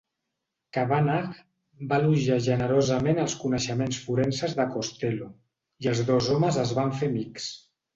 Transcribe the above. Kavanagh va elogiar generosament els coneixements forenses de Costello, i els dos homes es van fer amics.